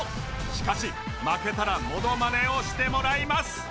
しかし負けたらモノマネをしてもらいます